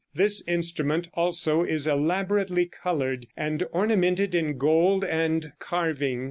This instrument, also, is elaborately colored and ornamented in gold and carving.